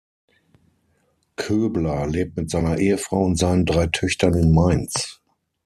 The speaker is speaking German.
Köbler lebt mit seiner Ehefrau und seinen drei Töchtern in Mainz.